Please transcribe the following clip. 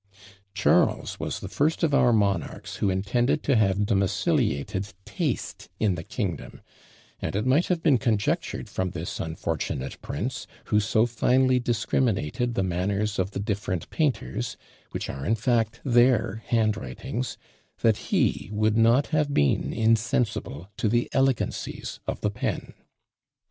Charles was the first of our monarchs who intended to have domiciliated taste in the kingdom, and it might have been conjectured from this unfortunate prince, who so finely discriminated the manners of the different painters, which are in fact their handwritings, that he would not have been insensible to the elegancies of the pen.